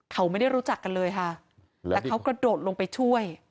เขาไม่ได้รู้จักกันเลยค่ะแต่เขากระโดดลงไปช่วย